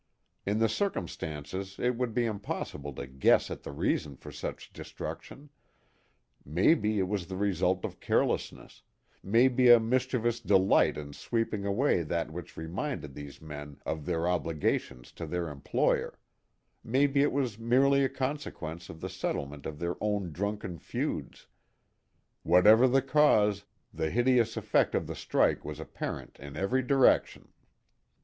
In the circumstances it would be impossible to guess at the reasons for such destruction: maybe it was the result of carelessness, maybe a mischievous delight in sweeping away that which reminded these men of their obligations to their employer, maybe it was merely a consequence of the settlement of their own drunken feuds. Whatever the cause, the hideous effect of the strike was apparent in every direction.